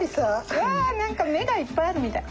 うわ何か目がいっぱいあるみたい。